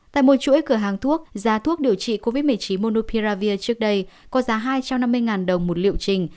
tại một chuỗi cửa hàng thuốc giá thuốc điều trị covid một mươi chín monopia trước đây có giá hai trăm năm mươi đồng một liệu trình